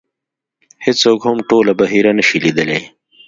هېڅوک هم ټوله بحیره نه شي لیدلی .